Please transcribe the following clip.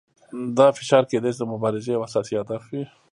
دا فشار کیدای شي د مبارزې یو اساسي هدف وي.